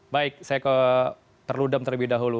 baik saya ke perludem terlebih dahulu